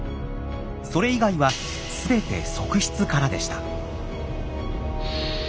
それ以外は全て側室からでした。